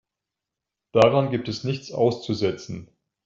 Daran gibt es nichts auszusetzen.